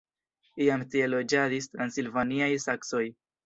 Iam tie loĝadis transilvaniaj saksoj.